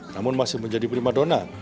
namun masih menjadi prima donat